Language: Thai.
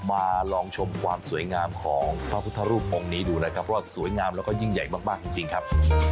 มาลองชมความสวยงามของพระพุทธรูปองค์นี้ดูนะครับเพราะว่าสวยงามแล้วก็ยิ่งใหญ่มากจริงครับ